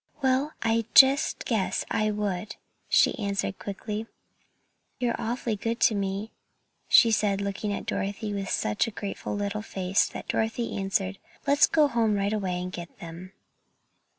"Well, I just guess I would!" she answered quickly. "You're awfully good to me," and she looked at Dorothy with such a grateful little face that Dorothy answered, "Let's go home right away and get them."